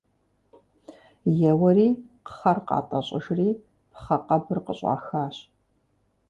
Еуэри кхъэр къатӀэщӀыжри пхъэ къэбыр къыщӀахащ.